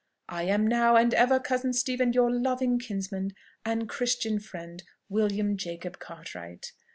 "I am now and ever, cousin Stephen, your loving kinsman and Christian friend, "WILLIAM JACOB CARTWRIGHt.